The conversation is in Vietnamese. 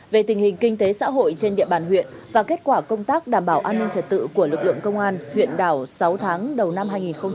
về tình hình kinh tế xã hội trên địa bàn huyện và kết quả công tác đảm bảo an ninh trật tự của lực lượng công an huyện đảo sáu tháng đầu năm hai nghìn hai mươi ba